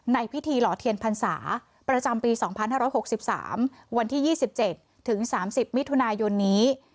ในพิธีหล่อเทียนพรรษาประจำปี๒๕๖๓วันที่๒๗ถึง๓๐มิถุนายนนี้